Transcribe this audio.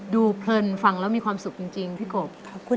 เพลินฟังแล้วมีความสุขจริงพี่กบ